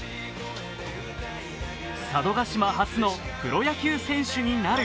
佐渡島初のプロ野球選手になる。